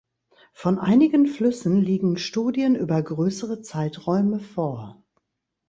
Von einigen Flüssen liegen Studien über größere Zeiträume vor.